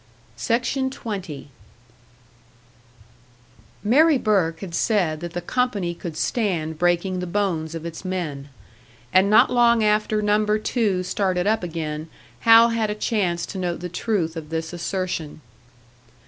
Mary Burke had said that the company could stand breaking the bones of its men; and not long after Number Two started up again, Hal had a chance to note the truth of this assertion.